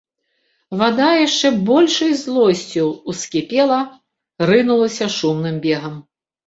Вада яшчэ большай злосцю ўскіпела, рынулася шумным бегам.